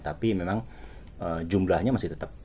tapi memang jumlahnya masih tetap